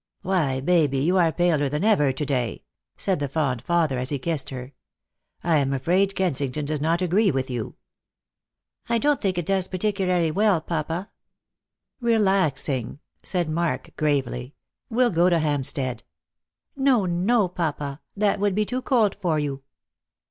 " Why, Baby, you are paler than ever to day !" said the fond father, as he kissed her; "I am afraid Kensington does not agree with you." " I don't think it does particularly well, papa." " Relaxing," said Mark gravely. " We'll go to Hampstead." " No, no, papa ; that would be too cold for you."